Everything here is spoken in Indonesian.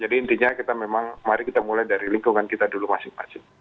jadi intinya kita memang mari kita mulai dari lingkungan kita dulu masing masing